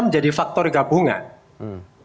menjadi faktor gabungan